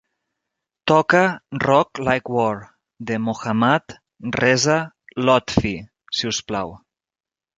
Toca "rock like war" de Mohammad Reza Lotfi, si us plau